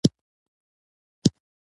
پښتو ژبه پینځه یاګانې لري: ی، ي، ئ، ې او ۍ